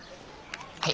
はい。